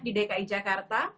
di dki jakarta